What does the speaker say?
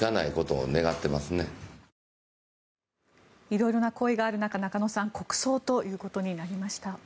色々な声がある中中野さん国葬ということになりました。